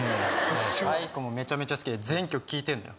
ａｉｋｏもめちゃめちゃ好きで全曲聴いてんのよ